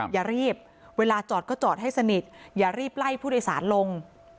อย่ารีบเวลาจอดก็จอดให้สนิทอย่ารีบไล่ผู้โดยสารลง